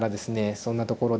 そんなところでですね